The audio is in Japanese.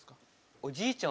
おじいちゃん